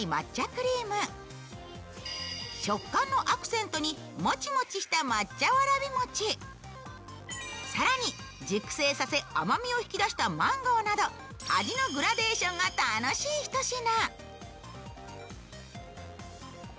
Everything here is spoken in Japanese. クリーム食感のアクセントにもちもちした抹茶わらび餅更に、熟成させ甘みを引き出したマンゴーなど味のグラデーションが楽しい一品。